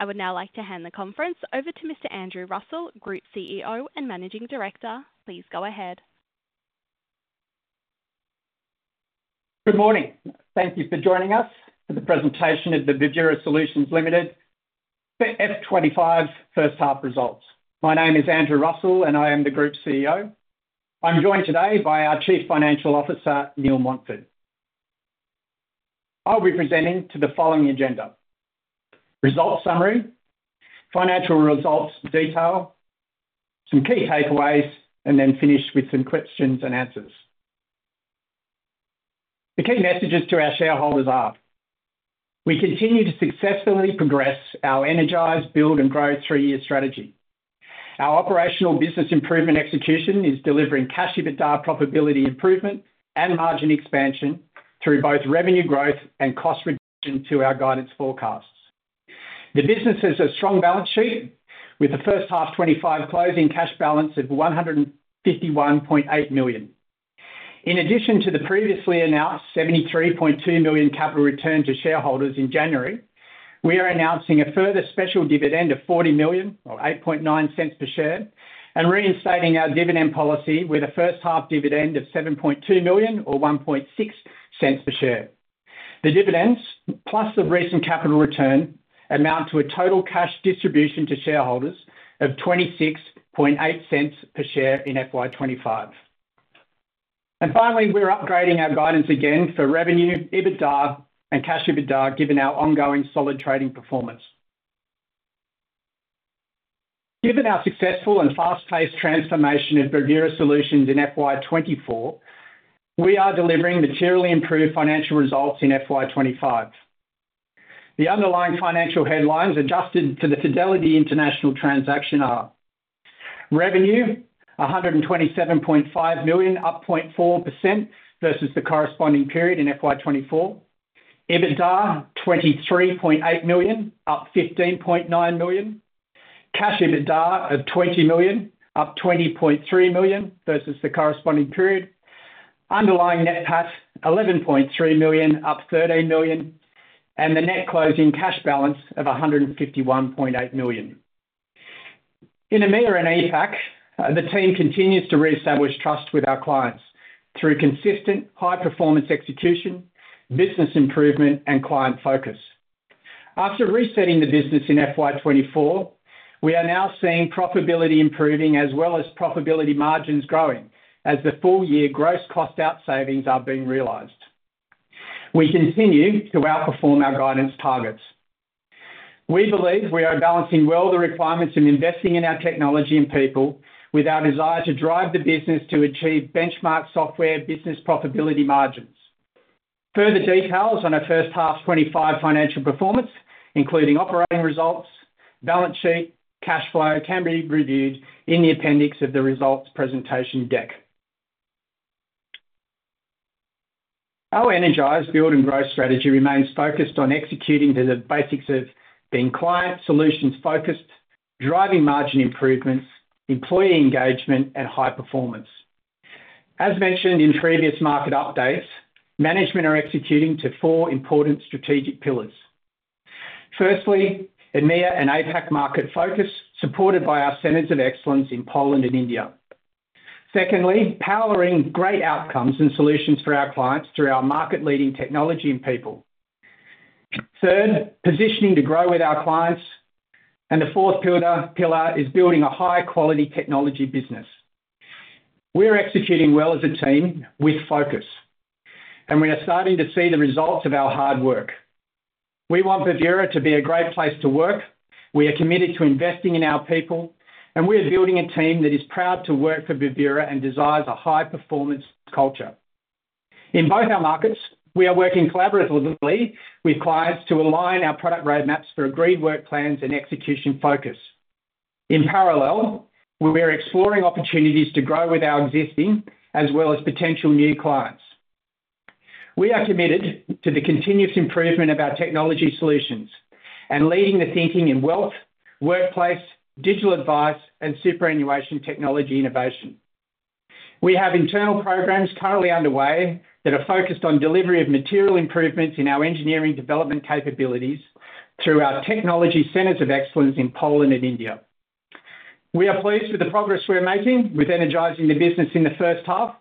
I would now like to hand the conference over to Mr. Andrew Russell, Group CEO and Managing Director. Please go ahead. Good morning. Thank you for joining us for the presentation of the Bravura Solutions Limited FY 2025 first half results. My name is Andrew Russell, and I am the Group CEO. I'm joined today by our Chief Financial Officer, Neil Montford. I'll be presenting to the following agenda: results summary, financial results detail, some key takeaways, and then finish with some questions and answers. The key messages to our shareholders are: we continue to successfully progress our Energize, Build, and Grow three-year strategy. Our operational business improvement execution is delivering Cash EBITDA profitability improvement and margin expansion through both revenue growth and cost reduction to our guidance forecasts. The business has a strong balance sheet, with the first half 2025 closing cash balance of 151.8 million. In addition to the previously announced 73.2 million capital return to shareholders in January, we are announcing a further special dividend of 40 million, or 0.089 per share, and reinstating our dividend policy with a first half dividend of 7.2 million, or 0.016 per share. The dividends, plus the recent capital return, amount to a total cash distribution to shareholders of 0.268 per share in FY 2025. Finally, we are upgrading our guidance again for revenue EBITDA and cash EBITDA, given our ongoing solid trading performance. Given our successful and fast-paced transformation of Bravura Solutions in FY 2024, we are delivering materially improved financial results in FY 2025. The underlying financial headlines adjusted to the Fidelity International transaction are: revenue, 127.5 million, up 0.4% versus the corresponding period in FY 2024; EBITDA, 23.8 million, up 15.9%; Cash EBITDA of 20 million, up 20.3% versus the corresponding period; underlying NPAT, 11.3 million, up 13%; and the net closing cash balance of 151.8 million. In EMEA and APAC, the team continues to reestablish trust with our clients through consistent high-performance execution, business improvement, and client focus. After resetting the business in FY 2024, we are now seeing profitability improving as well as profitability margins growing as the full-year gross cost-out savings are being realized. We continue to outperform our guidance targets. We believe we are balancing well the requirements of investing in our technology and people with our desire to drive the business to achieve benchmark software business profitability margins. Further details on our first half 2025 financial performance, including operating results, balance sheet, cash flow, can be reviewed in the appendix of the results presentation deck. Our Energize, Build, and Grow strategy remains focused on executing to the basics of being client solutions focused, driving margin improvements, employee engagement, and high performance. As mentioned in previous market updates, management are executing to four important strategic pillars. Firstly, a EMEA and APAC market focus supported by our centers of excellence in Poland and India. Secondly, powering great outcomes and solutions for our clients through our market-leading technology and people. Third, positioning to grow with our clients. And the fourth pillar is building a high-quality technology business. We're executing well as a team with focus, and we are starting to see the results of our hard work. We want Bravura to be a great place to work. We are committed to investing in our people, and we are building a team that is proud to work for Bravura and desires a high-performance culture. In both our markets, we are working collaboratively with clients to align our product roadmaps for agreed work plans and execution focus. In parallel, we are exploring opportunities to grow with our existing as well as potential new clients. We are committed to the continuous improvement of our technology solutions and leading the thinking in wealth, workplace, digital advice, and superannuation technology innovation. We have internal programs currently underway that are focused on delivery of material improvements in our engineering development capabilities through our technology centers of excellence in Poland and India. We are pleased with the progress we are making with energizing the business in the first half.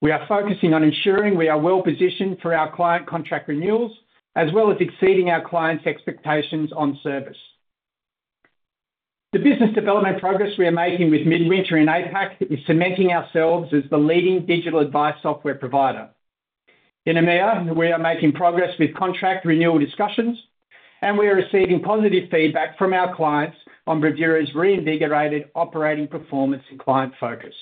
We are focusing on ensuring we are well-positioned for our client contract renewals as well as exceeding our clients' expectations on service. The business development progress we are making with Midwinter and APAC is cementing ourselves as the leading digital advice software provider. In EMEA, we are making progress with contract renewal discussions, and we are receiving positive feedback from our clients on Bravura's reinvigorated operating performance and client focus.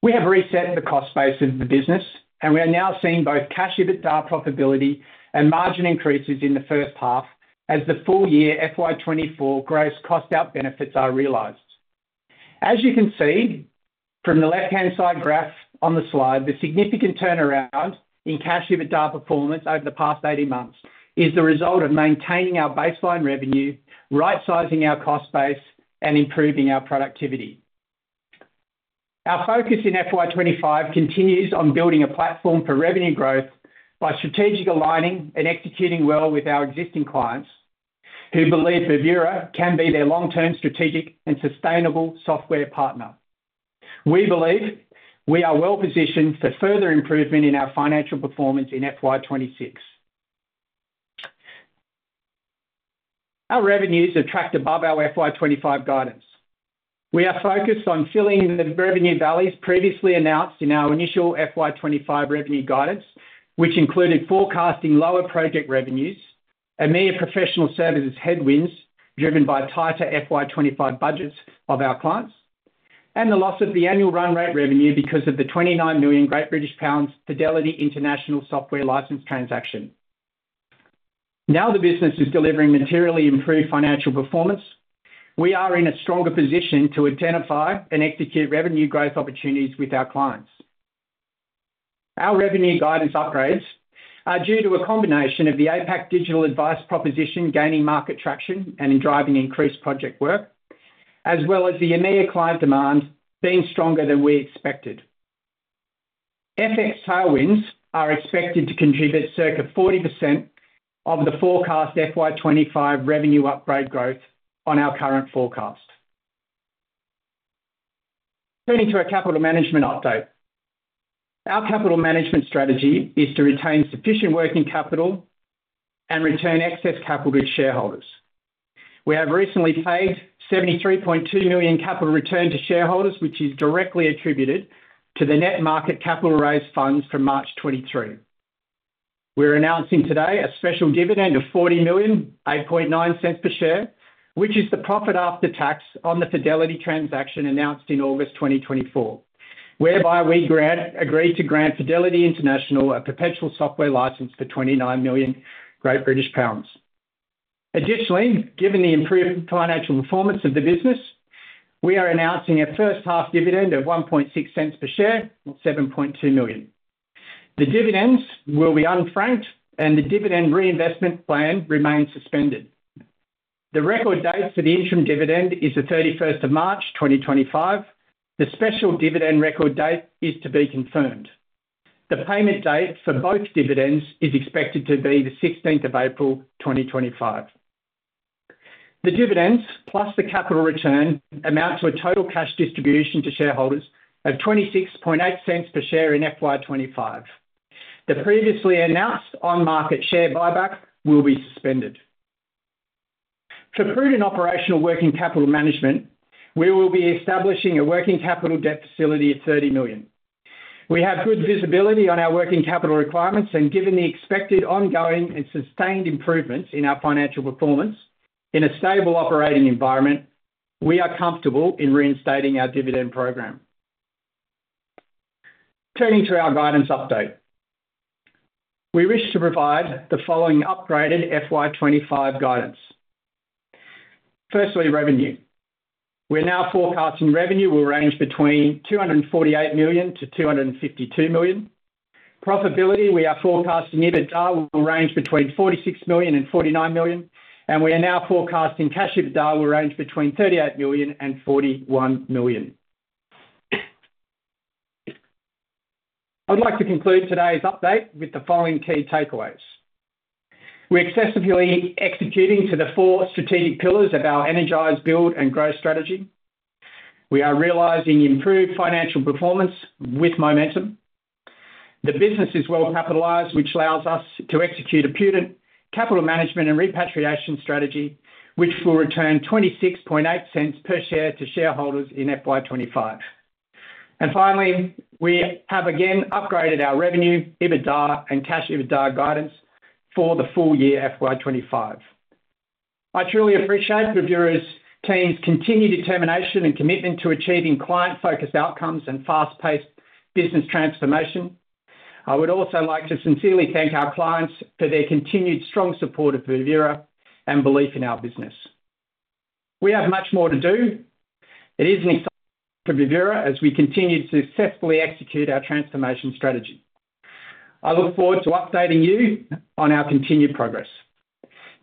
We have reset the cost base of the business, and we are now seeing both Cash EBITDA profitability and margin increases in the first half as the full-year FY 2024 gross cost out benefits are realized. As you can see from the left-hand side graph on the slide, the significant turnaround in Cash EBITDA performance over the past 18 months is the result of maintaining our baseline revenue, right-sizing our cost base, and improving our productivity. Our focus in FY 2025 continues on building a platform for revenue growth by strategically aligning and executing well with our existing clients who believe Bravura can be their long-term strategic and sustainable software partner. We believe we are well-positioned for further improvement in our financial performance in FY 2026. Our revenues have tracked above our FY 2025 guidance. We are focused on filling the revenue values previously announced in our initial FY 2025 revenue guidance, which included forecasting lower project revenues, and more professional services headwinds driven by tighter FY 2025 budgets of our clients, and the loss of the annual run rate revenue because of the 29 million Fidelity International software license transaction. Now the business is delivering materially improved financial performance. We are in a stronger position to identify and execute revenue growth opportunities with our clients. Our revenue guidance upgrades are due to a combination of the APAC digital advice proposition gaining market traction and driving increased project work, as well as the EMEA client demand being stronger than we expected. FX tailwinds are expected to contribute circa 40% of the forecast FY 2025 revenue upgrade growth on our current forecast. Turning to a capital management update, our capital management strategy is to retain sufficient working capital and return excess capital to shareholders. We have recently paid 73.2 million capital return to shareholders, which is directly attributed to the net market capital raised funds from March 2023. We're announcing today a special dividend of 40 million, 0.089 per share, which is the profit after tax on the Fidelity transaction announced in August 2024, whereby we agreed to grant Fidelity International a perpetual software license for 29 million. Additionally, given the improved financial performance of the business, we are announcing a first half dividend of 0.016 per share or 7.2 million. The dividends will be unfranked, and the dividend reinvestment plan remains suspended. The record date for the interim dividend is the 31st of March 2025. The special dividend record date is to be confirmed. The payment date for both dividends is expected to be the 16th of April 2025. The dividends, plus the capital return, amount to a total cash distribution to shareholders of 0.268 per share in FY 2025. The previously announced on-market share buyback will be suspended. For prudent operational working capital management, we will be establishing a working capital debt facility of 30 million. We have good visibility on our working capital requirements, and given the expected ongoing and sustained improvements in our financial performance in a stable operating environment, we are comfortable in reinstating our dividend program. Turning to our guidance update, we wish to provide the following upgraded FY 2025 guidance. Firstly, revenue. We're now forecasting revenue will range between 248 million to 252 million. Profitability, we are forecasting EBITDA will range between 46 million and 49 million, and we are now forecasting Cash EBITDA will range between 38 million and 41 million. I'd like to conclude today's update with the following key takeaways. We're excessively executing to the four strategic pillars of our Energize, Build, and Grow strategy. We are realizing improved financial performance with momentum. The business is well capitalized, which allows us to execute a prudent capital management and repatriation strategy, which will return 0.268 per share to shareholders in FY 2025. And finally, we have again upgraded our revenue, EBITDA, and Cash EBITDA guidance for the full-year FY 2025. I truly appreciate Bravura's team's continued determination and commitment to achieving client-focused outcomes and fast-paced business transformation. I would also like to sincerely thank our clients for their continued strong support of Bravura and belief in our business. We have much more to do. It is an exciting time for Bravura as we continue to successfully execute our transformation strategy. I look forward to updating you on our continued progress.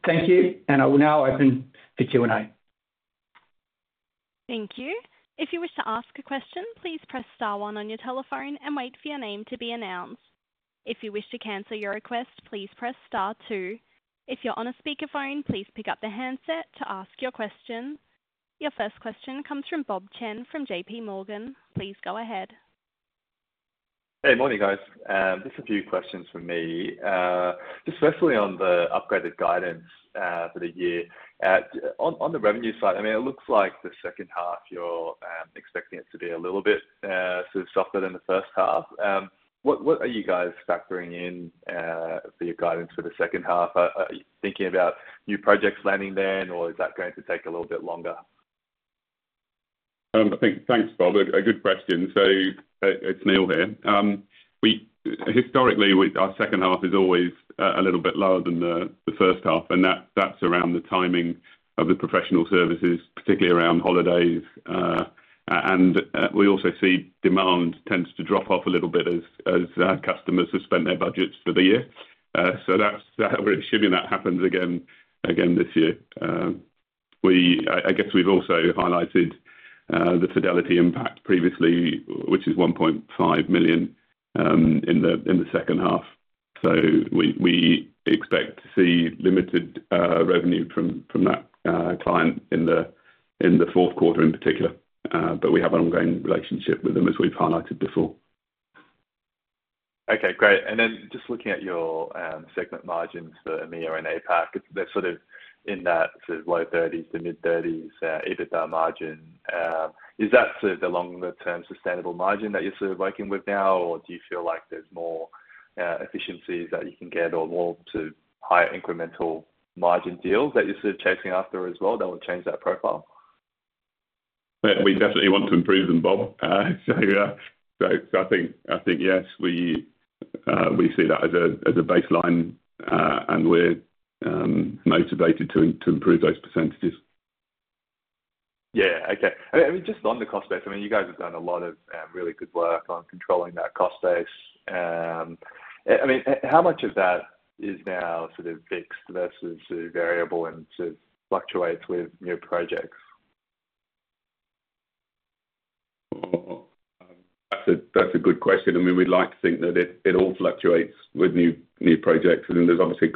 Thank you, and I will now open for Q&A. Thank you. If you wish to ask a question, please press star one on your telephone and wait for your name to be announced. If you wish to cancel your request, please press star two. If you're on a speakerphone, please pick up the handset to ask your question. Your first question comes from Bob Chen from JPMorgan. Please go ahead. Hey, morning, guys. Just a few questions for me. Just firstly, on the upgraded guidance for the year, on the revenue side, I mean, it looks like the second half, you're expecting it to be a little bit sort of softer than the first half. What are you guys factoring in for your guidance for the second half? Thinking about new projects landing then, or is that going to take a little bit longer? Thanks, Bob. A good question. So it's Neil here. Historically, our second half is always a little bit lower than the first half, and that's around the timing of the professional services, particularly around holidays. We also see demand tends to drop off a little bit as customers suspend their budgets for the year. So that's where assuming that happens again this year. I guess we've also highlighted the Fidelity impact previously, which is 1.5 million in the second half. So we expect to see limited revenue from that client in the fourth quarter in particular, but we have an ongoing relationship with them, as we've highlighted before. Okay, great. Then just looking at your segment margins for EMEA and APAC, they're sort of in that sort of low 30s to mid-30s EBITDA margin. Is that sort of the longer-term sustainable margin that you're sort of working with now, or do you feel like there's more efficiencies that you can get or more sort of higher incremental margin deals that you're sort of chasing after as well that will change that profile? We definitely want to improve them, Bob. So I think, yes, we see that as a baseline, and we're motivated to improve those percentages. Yeah, okay. I mean, just on the cost base, I mean, you guys have done a lot of really good work on controlling that cost base. I mean, how much of that is now sort of fixed versus variable and sort of fluctuates with new projects? That's a good question. I mean, we'd like to think that it all fluctuates with new projects. I mean, there's obviously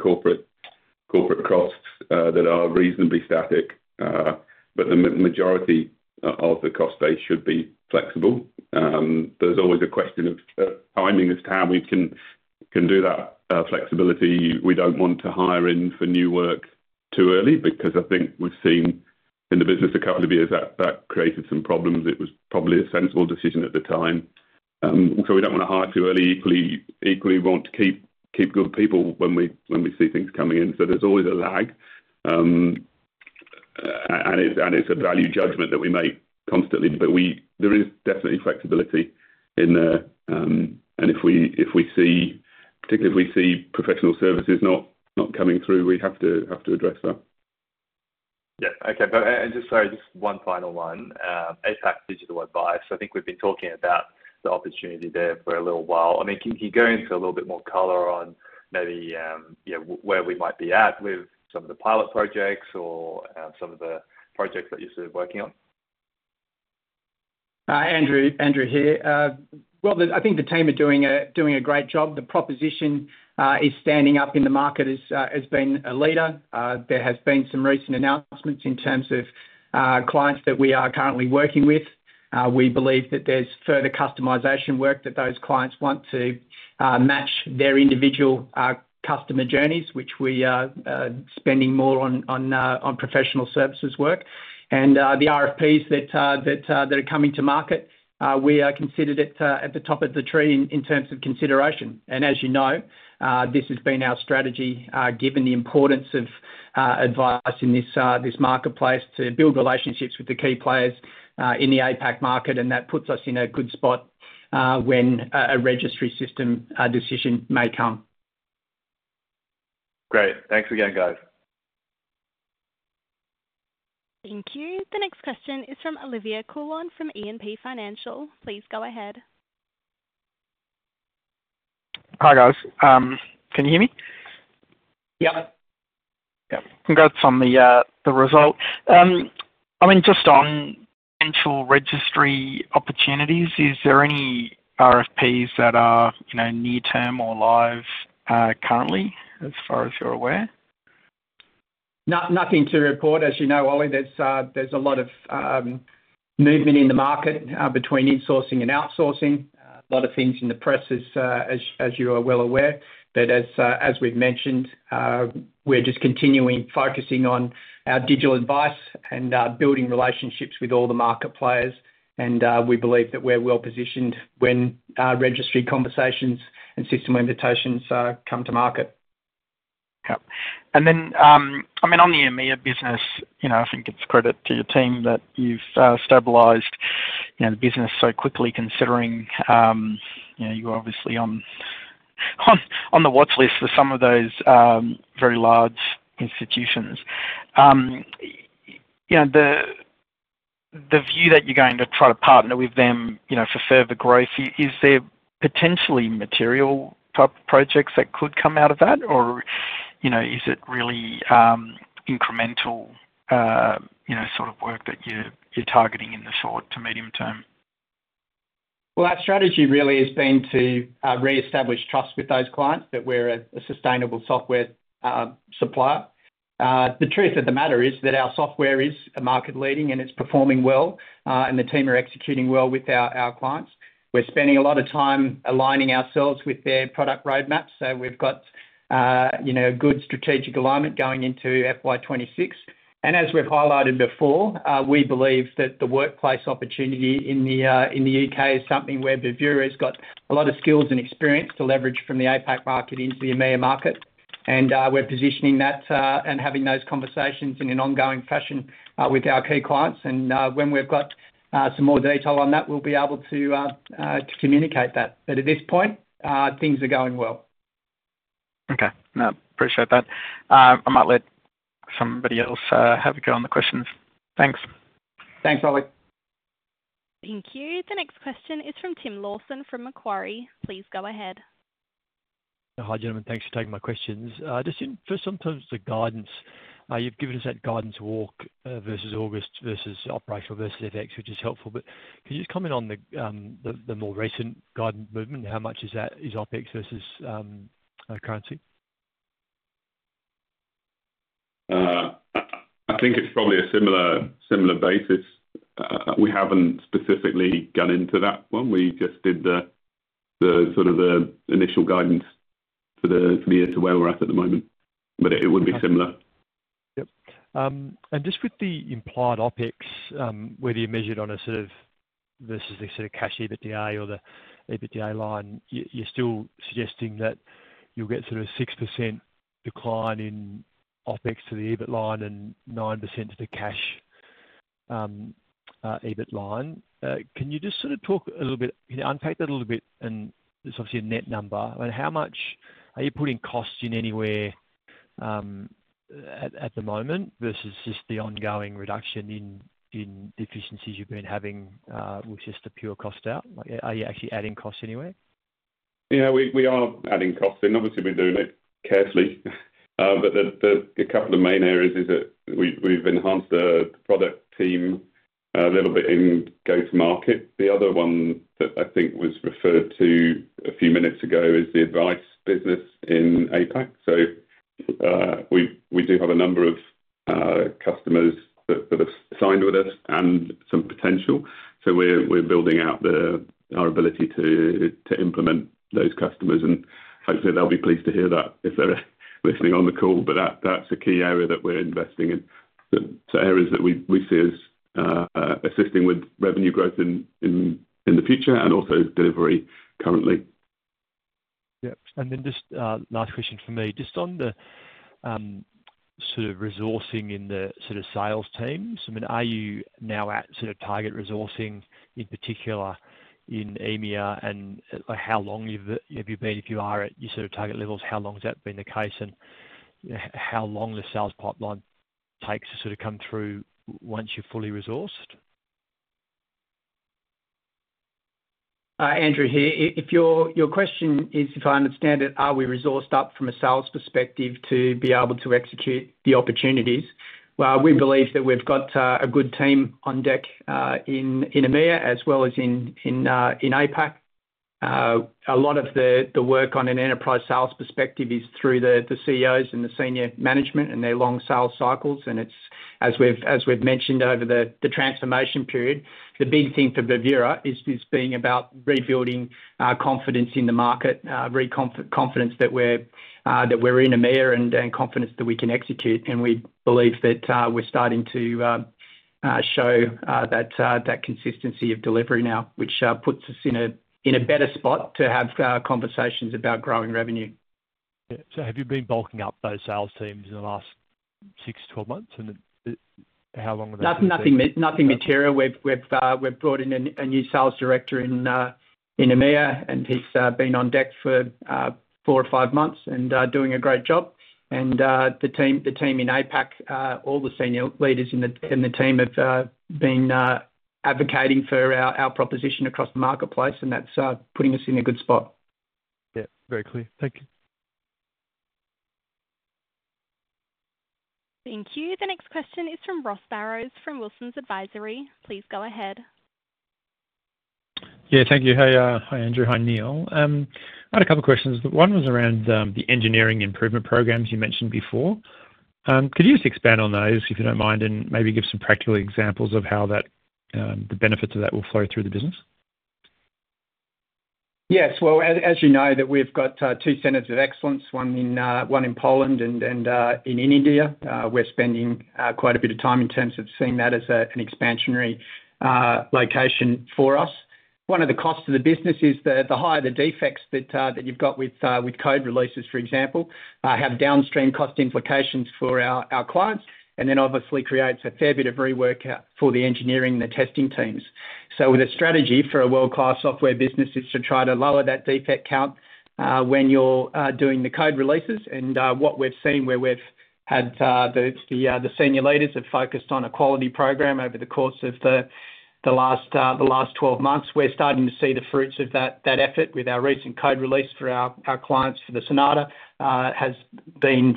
corporate costs that are reasonably static, but the majority of the cost base should be flexible. There's always a question of timing as to how we can do that flexibility. We don't want to hire in for new work too early because I think we've seen in the business a couple of years that that created some problems. It was probably a sensible decision at the time. So we don't want to hire too early. Equally, we want to keep good people when we see things coming in. So there's always a lag, and it's a value judgment that we make constantly. But there is definitely flexibility in there. And if we see, particularly if we see professional services not coming through, we have to address that. Yeah, okay. And just sorry, just one final one. APAC Digital Advice. I think we've been talking about the opportunity there for a little while. I mean, can you go into a little bit more color on maybe where we might be at with some of the pilot projects or some of the projects that you're sort of working on? Andrew here. Well, I think the team are doing a great job. The proposition is standing up in the market, has been a leader. There have been some recent announcements in terms of clients that we are currently working with. We believe that there's further customization work that those clients want to match their individual customer journeys, which we are spending more on professional services work. And the RFPs that are coming to market, we are considered at the top of the tree in terms of consideration. And as you know, this has been our strategy, given the importance of advice in this marketplace to build relationships with the key players in the APAC market, and that puts us in a good spot when a registry system decision may come. Great. Thanks again, guys. Thank you. The next question is from Olivier Coulon from E&P Financial. Please go ahead. Hi, guys. Can you hear me? Yep. Yep. Congrats on the result. I mean, just on potential registry opportunities, is there any RFPs that are near-term or live currently, as far as you're aware? Nothing to report. As you know, Olivier, there's a lot of movement in the market between insourcing and outsourcing. A lot of things in the press, as you are well aware. But as we've mentioned, we're just continuing focusing on our digital advice and building relationships with all the market players. And we believe that we're well positioned when registry conversations and system invitations come to market. Yep. And then, I mean, on the EMEA business, I think it's credit to your team that you've stabilized the business so quickly, considering you're obviously on the watch list for some of those very large institutions. The view that you're going to try to partner with them for further growth, is there potentially material type projects that could come out of that, or is it really incremental sort of work that you're targeting in the short to medium term? Well, our strategy really has been to re-establish trust with those clients that we're a sustainable software supplier. The truth of the matter is that our software is market-leading, and it's performing well, and the team are executing well with our clients. We're spending a lot of time aligning ourselves with their product roadmap. So we've got good strategic alignment going into FY 2026. And as we've highlighted before, we believe that the workplace opportunity in the UK is something where Bravura has got a lot of skills and experience to leverage from the APAC market into the EMEA market. And we're positioning that and having those conversations in an ongoing fashion with our key clients. And when we've got some more detail on that, we'll be able to communicate that. But at this point, things are going well. Okay. No, appreciate that. I might let somebody else have a go on the questions. Thanks. Thanks, Olivier. Thank you. The next question is from Tim Lawson from Macquarie. Please go ahead. Hi, gentlemen. Thanks for taking my questions. Just for some terms of guidance, you've given us that guidance walk versus August versus operational versus FX, which is helpful. But can you just comment on the more recent guidance movement? How much is that? Is OPEX versus currency? I think it's probably a similar basis. We haven't specifically gone into that one. We just did sort of the initial guidance for the year to where we're at at the moment. But it would be similar. Yep. And just with the implied OpEx, whether you measured on a sort of versus the sort of cash EBITDA or the EBITDA line, you're still suggesting that you'll get sort of a 6% decline in OpEx to the EBITDA line and 9% to the cash EBITDA line. Can you just sort of talk a little bit? Can you unpack that a little bit? And it's obviously a net number. I mean, how much are you putting costs in anywhere at the moment versus just the ongoing reduction in inefficiencies you've been having with just the pure cost out? Are you actually adding costs anywhere? Yeah, we are adding costs. And obviously, we're doing it carefully. But a couple of main areas is that we've enhanced the product team a little bit in go-to-market. The other one that I think was referred to a few minutes ago is the advice business in APAC. So we do have a number of customers that have signed with us and some potential. So we're building out our ability to implement those customers. And hopefully, they'll be pleased to hear that if they're listening on the call. But that's a key area that we're investing in. So areas that we see as assisting with revenue growth in the future and also delivery currently. Yep. And then just last question for me. Just on the sort of resourcing in the sort of sales teams. I mean, are you now at sort of target resourcing in particular in EMEA? And how long have you been? If you are at your sort of target levels, how long has that been the case? And how long does the sales pipeline take to sort of come through once you're fully resourced? Andrew here. Your question is, if I understand it, are we resourced up from a sales perspective to be able to execute the opportunities? Well, we believe that we've got a good team on deck in EMEA as well as in APAC. A lot of the work on an enterprise sales perspective is through the CEOs and the senior management and their long sales cycles. And as we've mentioned over the transformation period, the big thing for Bravura is being about rebuilding confidence in the market, confidence that we're in a mire and confidence that we can execute. And we believe that we're starting to show that consistency of delivery now, which puts us in a better spot to have conversations about growing revenue. Yeah. Have you been bulking up those sales teams in the last six, 12 months? And how long have they been? Nothing material. We've brought in a new sales director in EMEA, and he's been on deck for four or five months and doing a great job. And the team in APAC, all the senior leaders in the team have been advocating for our proposition across the marketplace, and that's putting us in a good spot. Yeah. Very clear. Thank you. Thank you. The next question is from Ross Barrows from Wilsons Advisory. Please go ahead. Yeah. Thank you. Hi, Andrew. Hi, Neil. I had a couple of questions. One was around the engineering improvement programs you mentioned before. Could you just expand on those, if you don't mind, and maybe give some practical examples of how the benefits of that will flow through the business? Yes. As you know, we've got two Centers of Excellence, one in Poland and in India. We're spending quite a bit of time in terms of seeing that as an expansionary location for us. One of the costs of the business is that the higher the defects that you've got with code releases, for example, have downstream cost implications for our clients, and then obviously creates a fair bit of rework for the engineering and the testing teams. The strategy for a world-class software business is to try to lower that defect count when you're doing the code releases. What we've seen, where we've had the senior leaders have focused on a quality program over the course of the last 12 months, we're starting to see the fruits of that effort with our recent code release for our clients for the Sonata has been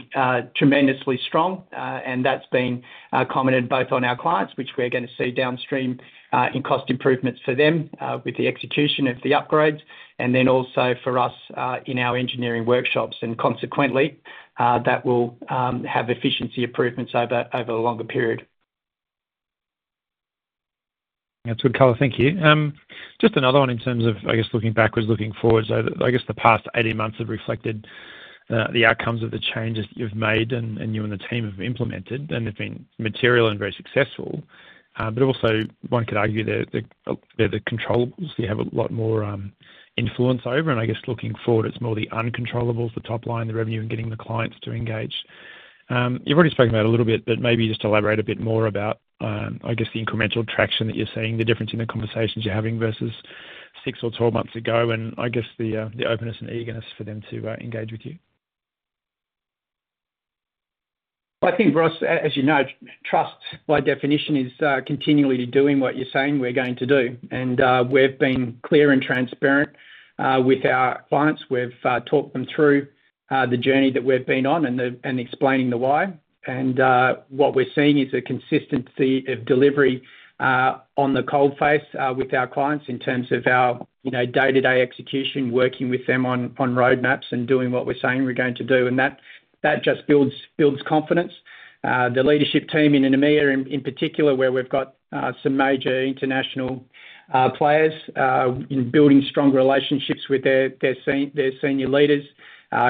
tremendously strong. And that's been commented both on our clients, which we're going to see downstream in cost improvements for them with the execution of the upgrades, and then also for us in our engineering workshops. And consequently, that will have efficiency improvements over a longer period. That's good color. Thank you. Just another one in terms of, I guess, looking backwards, looking forward. So I guess the past 18 months have reflected the outcomes of the changes that you've made and you and the team have implemented. And they've been material and very successful. But also, one could argue that the controllables, you have a lot more influence over. And I guess looking forward, it's more the uncontrollables, the top line, the revenue, and getting the clients to engage. You've already spoken about it a little bit, but maybe just elaborate a bit more about, I guess, the incremental traction that you're seeing, the difference in the conversations you're having versus six or 12 months ago, and I guess the openness and eagerness for them to engage with you. I think, Ross, as you know, trust by definition is continually doing what you're saying we're going to do. And we've been clear and transparent with our clients. We've talked them through the journey that we've been on and explaining the why. And what we're seeing is a consistency of delivery on the coal face with our clients in terms of our day-to-day execution, working with them on roadmaps and doing what we're saying we're going to do. And that just builds confidence. The leadership team in EMEA, in particular, where we've got some major international players in building strong relationships with their senior leaders.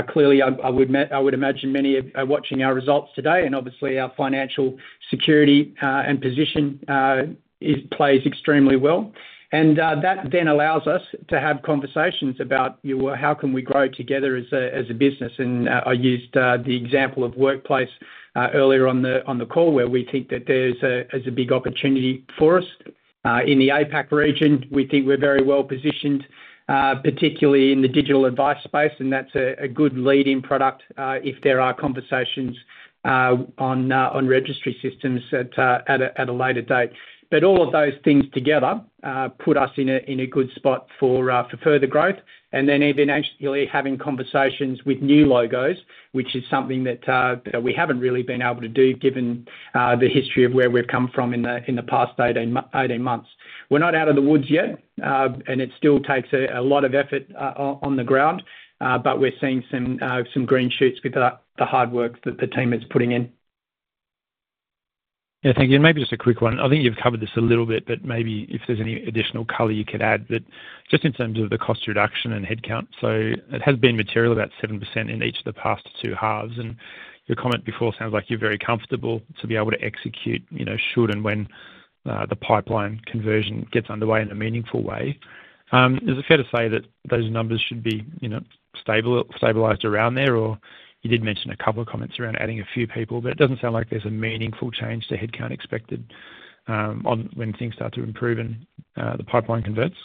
Clearly, I would imagine many are watching our results today. And obviously, our financial security and position plays extremely well. And that then allows us to have conversations about how can we grow together as a business. And I used the example of workplace earlier on the call where we think that there's a big opportunity for us in the APAC region. We think we're very well positioned, particularly in the digital advice space. And that's a good lead-in product if there are conversations on registry systems at a later date. But all of those things together put us in a good spot for further growth. And then eventually having conversations with new logos, which is something that we haven't really been able to do given the history of where we've come from in the past 18 months. We're not out of the woods yet, and it still takes a lot of effort on the ground. But we're seeing some green shoots with the hard work that the team is putting in. Yeah. Thank you. And maybe just a quick one. I think you've covered this a little bit, but maybe if there's any additional color you could add, but just in terms of the cost reduction and headcount. So it has been material about 7% in each of the past two halves. And your comment before sounds like you're very comfortable to be able to execute should and when the pipeline conversion gets underway in a meaningful way. Is it fair to say that those numbers should be stabilized around there? Or you did mention a couple of comments around adding a few people, but it doesn't sound like there's a meaningful change to headcount expected when things start to improve and the pipeline converts.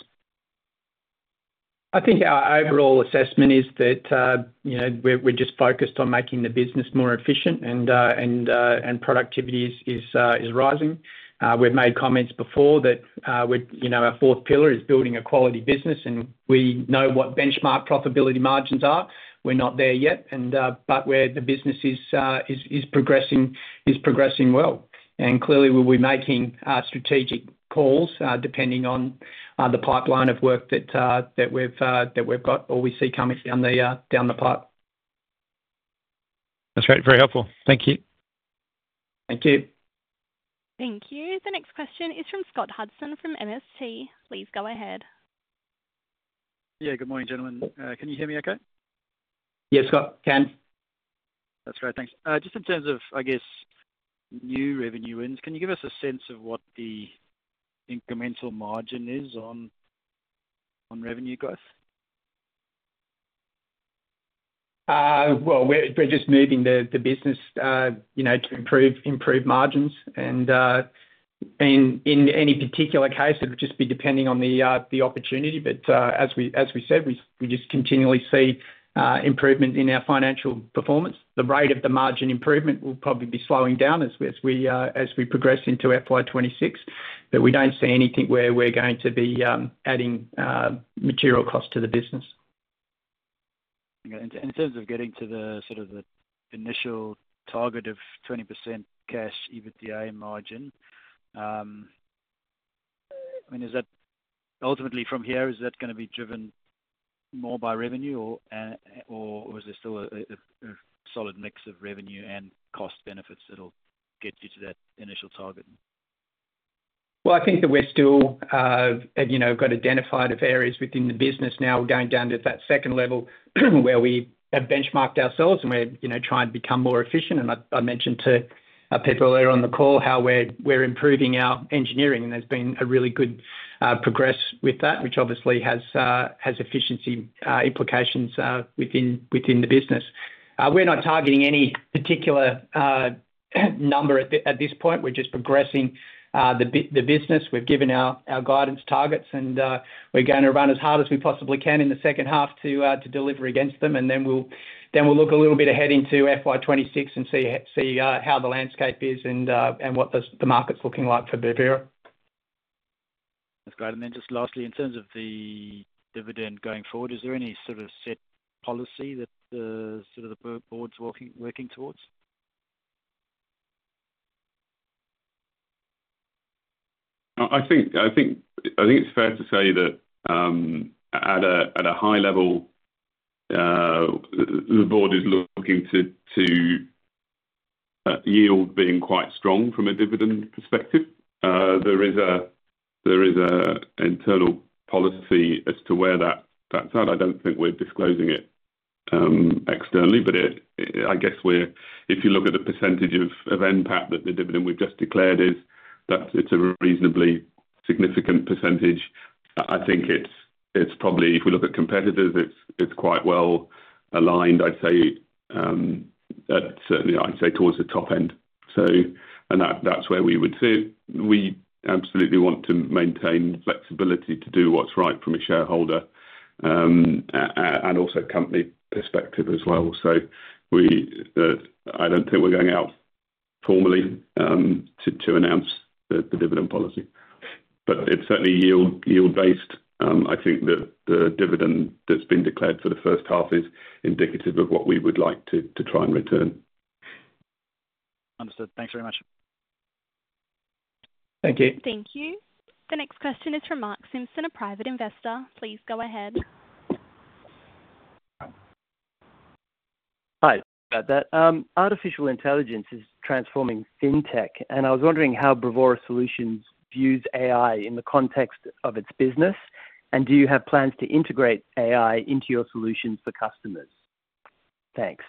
I think our overall assessment is that we're just focused on making the business more efficient, and productivity is rising. We've made comments before that our fourth pillar is building a quality business, and we know what benchmark profitability margins are. We're not there yet, but the business is progressing well. And clearly, we'll be making strategic calls depending on the pipeline of work that we've got or we see coming down the pipe. That's great. Very helpful. Thank you. Thank you. Thank you. The next question is from Scott Hudson from MST. Please go ahead. Yeah. Good morning, gentlemen. Can you hear me okay? Yes, Scott. Can. That's great. Thanks. Just in terms of, I guess, new revenue wins, can you give us a sense of what the incremental margin is on revenue growth? Well, we're just moving the business to improve margins, and in any particular case, it would just be depending on the opportunity. But as we said, we just continually see improvement in our financial performance. The rate of the margin improvement will probably be slowing down as we progress into FY 2026, but we don't see anything where we're going to be adding material costs to the business. Okay. In terms of getting to the sort of initial target of 20% Cash EBITDA margin, I mean, ultimately, from here, is that going to be driven more by revenue, or is there still a solid mix of revenue and cost benefits that'll get you to that initial target? Well, I think that we've still got identified areas within the business. Now we're going down to that second level where we have benchmarked ourselves and we're trying to become more efficient. And I mentioned to people earlier on the call how we're improving our engineering, and there's been a really good progress with that, which obviously has efficiency implications within the business. We're not targeting any particular number at this point. We're just progressing the business. We've given our guidance targets, and we're going to run as hard as we possibly can in the second half to deliver against them. And then we'll look a little bit ahead into FY 2026 and see how the landscape is and what the market's looking like for Bravura. That's great. And then just lastly, in terms of the dividend going forward, is there any sort of set policy that sort of the board's working towards? I think it's fair to say that at a high level, the board is looking to yield being quite strong from a dividend perspective. There is an internal policy as to where that's at. I don't think we're disclosing it externally. But I guess if you look at the percentage of NPAT that the dividend we've just declared is, it's a reasonably significant percentage. I think it's probably, if we look at competitors, it's quite well aligned, I'd say, certainly, I'd say towards the top end. That's where we would say we absolutely want to maintain flexibility to do what's right from a shareholder and also company perspective as well. I don't think we're going out formally to announce the dividend policy. It's certainly yield-based. I think that the dividend that's been declared for the first half is indicative of what we would like to try and return. Understood. Thanks very much. Thank you. Thank you. The next question is from Mark Simpson, a private investor. Please go ahead. Hi. Sorry about that. Artificial intelligence is transforming fintech, and I was wondering how Bravura Solutions views AI in the context of its business, and do you have plans to integrate AI into your solutions for customers? Thanks.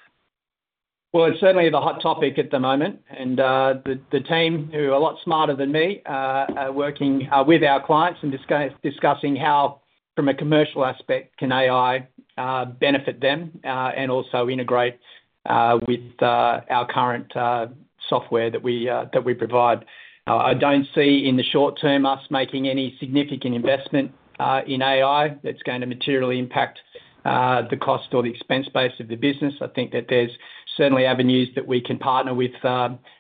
It's certainly the hot topic at the moment. And the team, who are a lot smarter than me, are working with our clients and discussing how, from a commercial aspect, can AI benefit them and also integrate with our current software that we provide. I don't see in the short term us making any significant investment in AI that's going to materially impact the cost or the expense base of the business. I think that there's certainly avenues that we can partner with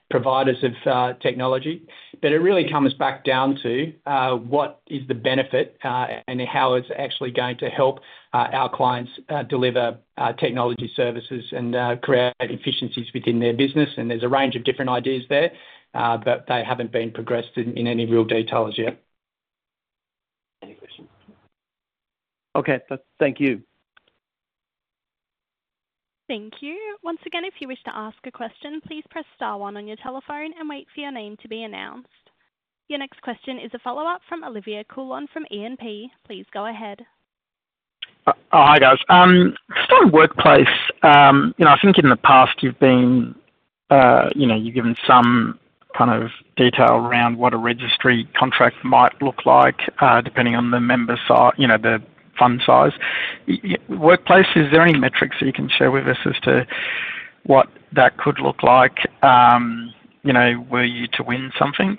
providers of technology. But it really comes back down to what is the benefit and how it's actually going to help our clients deliver technology services and create efficiencies within their business. And there's a range of different ideas there, but they haven't been progressed in any real details yet. Okay. Thank you. Thank you. Once again, if you wish to ask a question, please press star one on your telephone and wait for your name to be announced. Your next question is a follow-up from Olivier Coulon from E&P Financial. Please go ahead. Hi, guys. Starting workplace, I think in the past, you've been given some kind of detail around what a registry contract might look like depending on the member's fund size. Workplace, is there any metrics that you can share with us as to what that could look like? Were you to win something?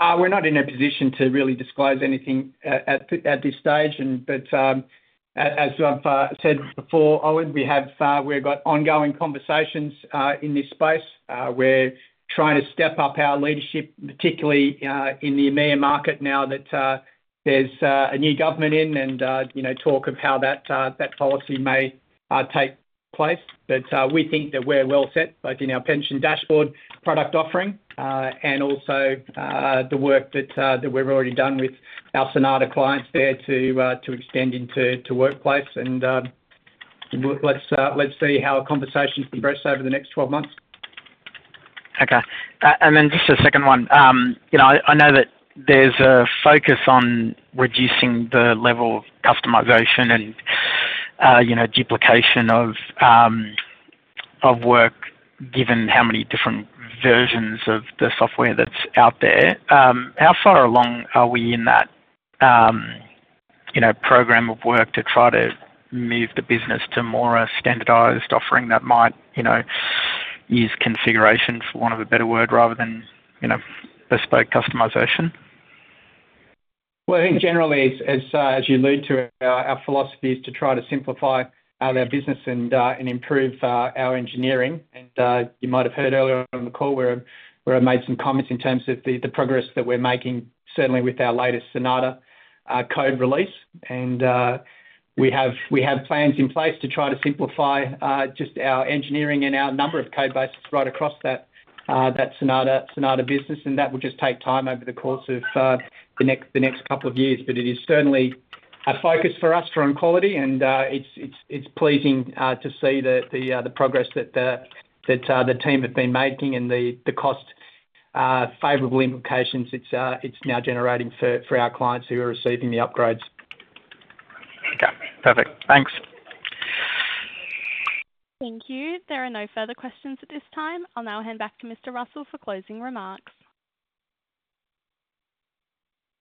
We're not in a position to really disclose anything at this stage. But as I've said before, we've got ongoing conversations in this space. We're trying to step up our leadership, particularly in the EMEA market now that there's a new government in and talk of how that policy may take place. But we think that we're well set, both in our Pensions Dashboards product offering and also the work that we've already done with our Sonata clients there to extend into Workplace. And let's see how conversations progress over the next 12 months. Okay. And then just a second one. I know that there's a focus on reducing the level of customization and duplication of work given how many different versions of the software that's out there. How far along are we in that program of work to try to move the business to more standardized offering that might use configuration, for want of a better word, rather than bespoke customization? Well, I think generally, as you allude to, our philosophy is to try to simplify our business and improve our engineering. You might have heard earlier on the call where I made some comments in terms of the progress that we're making, certainly with our latest Sonata code release. We have plans in place to try to simplify just our engineering and our number of code bases right across that Sonata business. That will just take time over the course of the next couple of years. But it is certainly a focus for us on quality. It's pleasing to see the progress that the team have been making and the cost favorable implications it's now generating for our clients who are receiving the upgrades. Okay. Perfect. Thanks. Thank you. There are no further questions at this time. I'll now hand back to Mr. Russell for closing remarks.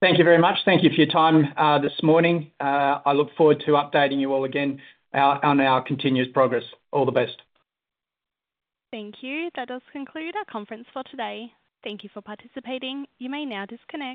Thank you very much. Thank you for your time this morning. I look forward to updating you all again on our continuous progress. All the best. Thank you. That does conclude our conference for today. Thank you for participating. You may now disconnect.